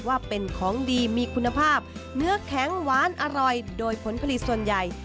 ว่าเป็นของดีมีคุณภาพเนื้อแข็งหวานอร่อยโดยผลผลิตส่วนใหญ่